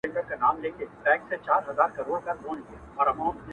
زه د تورو زهرو جام يم ته د سرو ميو پياله يې